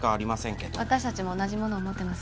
けど私達も同じものを持ってます